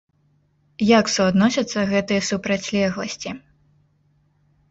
Як суадносяцца гэтыя супрацьлегласці?